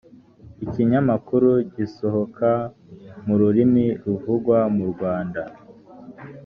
ikinyamakuru gisohoka mu rurimi ruvugwa mu rwanda